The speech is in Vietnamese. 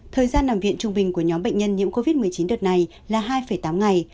thời gian nằm viện trung bình của nhóm bệnh nhân nhiễm covid một mươi chín đợt này là hai tám ngày